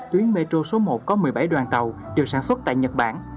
tuyến metro số một có một mươi bảy đoàn tàu được sản xuất tại nhật bản